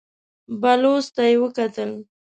بلوڅ ته يې وکتل.